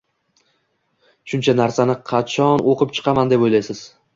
“Shuncha narsani qacho-o-o-n o‘qib chiqaman”, deb o‘ylaysiz.